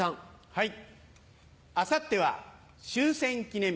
はい。